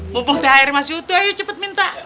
mumpung thr masih utuh ayo cepet minta